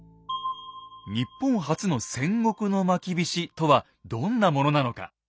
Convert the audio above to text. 日本初の戦国のまきびしとはどんなものなのか。